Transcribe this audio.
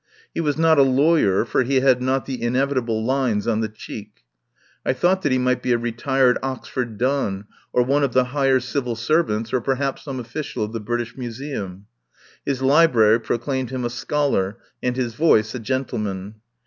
He was not a lawyer, for he had not the inevitable lines on the cheek. I thought that he might be a retired Oxford don, or one of the higher civil servants, or perhaps some official of the British Museum. His library proclaimed him a scholar, and his voice a gentleman.